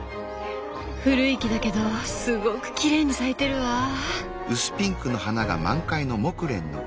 古い木だけどすごくきれいに咲いてるわぁ。